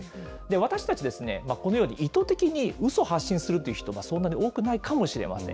私たち、このように、意図的にうそを発信するという人はそんなに多くないかもしれません。